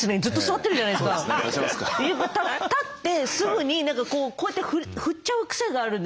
立ってすぐにこうやって振っちゃう癖があるんですよね。